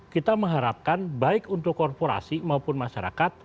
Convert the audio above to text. kita mengharapkan baik untuk korporasi maupun masyarakat